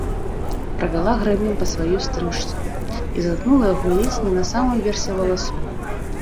Правяла грэбенем па сваёй стрыжцы і заткнула яго ледзь не на самым версе валасоў.